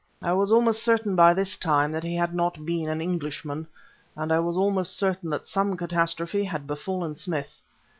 I was almost certain, by this time, that he had not been an Englishman; I was almost certain that some catastrophe had befallen Smith.